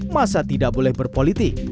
masa tidak boleh berpolitik